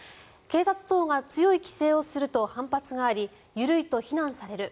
警察等が強い規制をすると反発があり緩いと非難される。